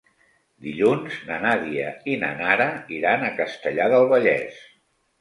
Dilluns na Nàdia i na Nara iran a Castellar del Vallès.